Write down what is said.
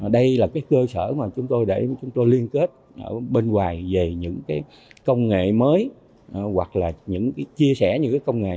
đây là cơ sở để chúng tôi liên kết bên ngoài về những công nghệ mới hoặc là chia sẻ những công nghệ